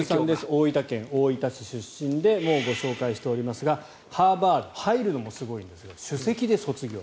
大分県大分市出身でもうご紹介しておりますがハーバード入るのもすごいんですが首席で卒業。